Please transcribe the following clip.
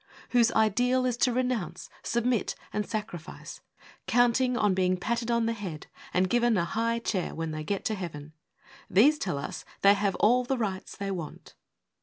whose ideal Is to renounce, submit, and sacrifice, Counting on being patted on the head And given a high chair when they get to heaven These tell us they have all the rights they want.